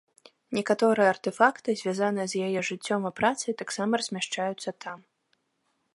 Некаторыя артэфакты, звязаныя з яе жыццём і працай таксама размяшчаюцца там.